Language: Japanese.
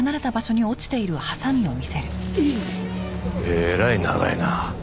えらい長いな。